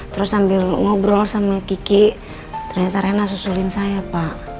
terus sambil ngobrol sama kiki ternyata rena susulin saya pak